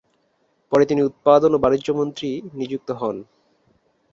পরে তিনি উৎপাদন ও বাণিজ্য মন্ত্রী নিযুক্ত হন।